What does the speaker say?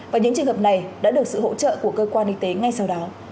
và những trường hợp này đã được sự hỗ trợ của cơ quan y tế ngay sau đó